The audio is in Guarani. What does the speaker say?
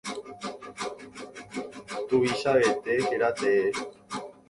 Tuvichavete héra tee.